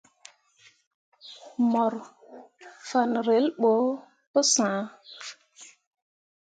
Ŋmorŋ fan relbo pu sãã.